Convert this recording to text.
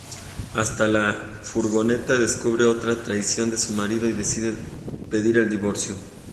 Hasta la furgoneta descubre otra traición de su marido y decide pedir el divorcio.